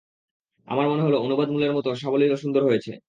আমার মনে হলো অনুবাদ মূলের মত সাবলীল ও সুন্দর হয়েছে।